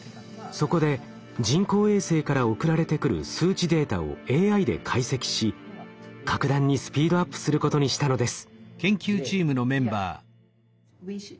そこで人工衛星から送られてくる数値データをＡＩで解析し格段にスピードアップすることにしたのです。